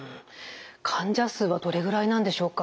患者数はどれぐらいなんでしょうか？